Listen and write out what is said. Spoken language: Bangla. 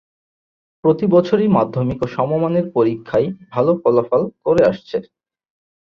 প্রতিবছরই মাধ্যমিক ও সমমানের পরিক্ষায় ভালো ফলাফল করে আসছে।